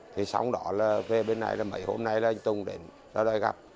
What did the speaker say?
thì sau đó là về bên này là mấy hôm nay là anh tùng đến ra đây gặp